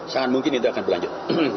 sangat mungkin itu akan berlanjut